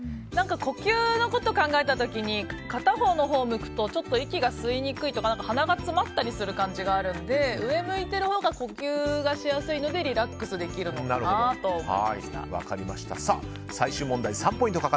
呼吸のことを考えた時に片方を向くと息が吸いにくいとか鼻が詰まったりする感じがあるので上向いているほうが呼吸しやすいのでリラックスできるのかなと最終問題、３ポイント。